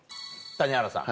谷原さん？